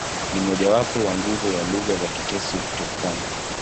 Ni mmojawapo wa nguzo ya lugha za Kiteso-Kiturkana.